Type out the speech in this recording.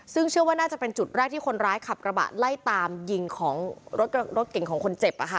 ซึ่งเชื่อว่าน่าจะเป็นจุดแรกที่คนร้ายขับกระบะไล่ตามยิงของรถเก่งของคนเจ็บ